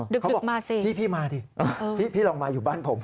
ดึกมาสิเขาบอกพี่มาสิพี่ลองมาอยู่บ้านผม